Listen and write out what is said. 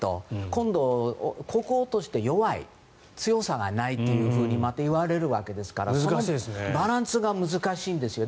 今度、国王として弱い強さがないというふうにまた言われるわけですからバランスが難しいんですよ。